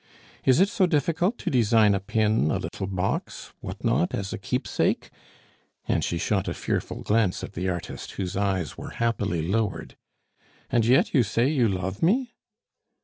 Is it so difficult to design a pin, a little box what not, as a keepsake?" and she shot a fearful glance at the artist, whose eyes were happily lowered. "And yet you say you love me?"